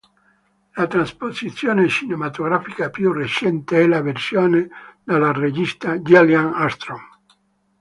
La trasposizione cinematografica più recente è la versione della regista Gillian Armstrong.